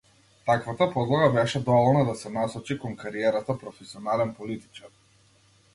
Таквата подлога беше доволна да се насочи кон кариерата професионален политичар.